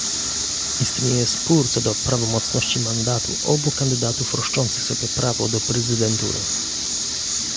Istnieje spór co do prawomocności mandatu obu kandydatów roszczących sobie prawo do prezydentury